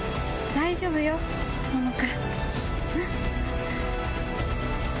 大丈夫よ桃香。